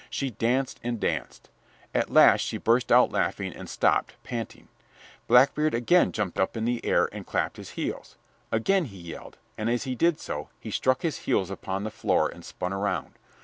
She danced and danced. At last she burst out laughing and stopped, panting. Blackbeard again jumped up in the air and clapped his heels. Again he yelled, and as he did so, he struck his heels upon the floor and spun around.